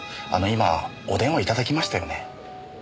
あの今お電話頂きましたよね？